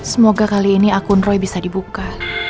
semoga kali ini akun roy bisa dibuka